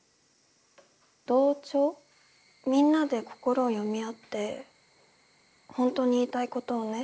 みんなで心を読み合って本当に言いたいことをね